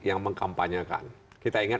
yang mengkampanyekan kita ingat